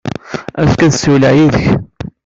Azekka, ad ssiwleɣ yid-k.